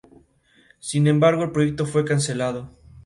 Sin embargo, el proyecto fue cancelado.